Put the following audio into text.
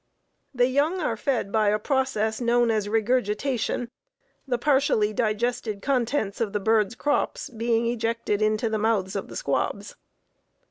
The young are fed by a process known as regurgitation, the partially digested contents of the birds' crops being ejected into the mouths of the squabs.